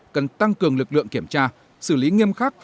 cần tăng cường lực lượng kiểm tra xử lý nghiêm khắc